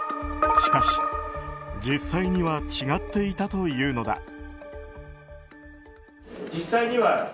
しかし、実際には違っていたというのだ。